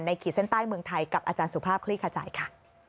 ในคีย์เซ็นต์ใต้เมืองไทยกับอาจารย์สุภาพคลิกาจัยค่ะ